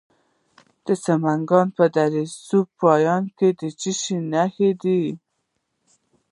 د سمنګان په دره صوف پاین کې څه شی شته؟